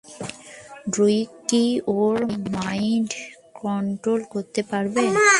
Druig কি ওর mind control করতে পারবে?